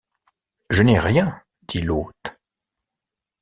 Je n’ai rien, dit l’hôte.